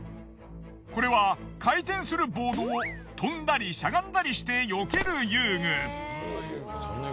これは回転するボードを飛んだりしゃがんだりしてよける遊具。